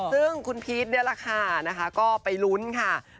ซึ่งคุณพีชนี่แหละค่ะนะคะก็ไปลุ้นค่ะ